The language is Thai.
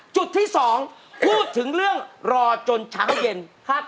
จุดที่๒พูดถึงเรื่องรอจนเช้าเย็น